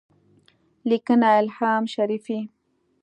لیکنه: الهام شریفی